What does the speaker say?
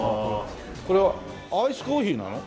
これはアイスコーヒーなの？